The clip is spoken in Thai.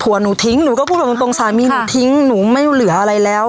หนูทิ้งหนูก็พูดแบบตรงสามีหนูทิ้งหนูไม่เหลืออะไรแล้ว